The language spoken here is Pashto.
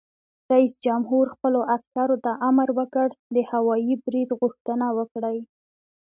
رئیس جمهور خپلو عسکرو ته امر وکړ؛ د هوايي برید غوښتنه وکړئ!